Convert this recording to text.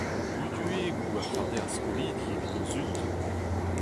Luduegoù a farde ar skolidi evit o zud !